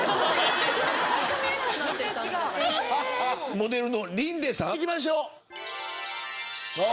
モデルの林出さんいきましょう。